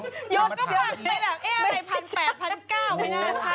ยนต์ก็มาเยอะแบบเอ๊ะอะไรพันแปดพันเก้าไม่น่าใช่